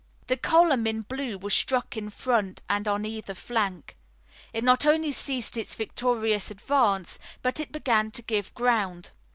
The column in blue was struck in front and on either flank. It not only ceased its victorious advance, but it began to give ground.